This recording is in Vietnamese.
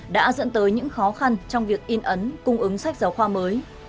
đã dẫn tới những khó khăn trong việc in ấn cung ứng sách giáo khoa mới